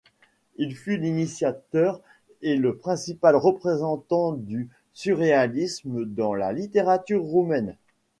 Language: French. Il fut l'initiateur et le principal représentant du surréalisme dans la littérature roumaine.